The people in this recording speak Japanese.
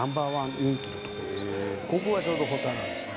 ここがちょうど保田なんですね。